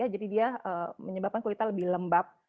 jadi dia menyebabkan kulit lebih lembab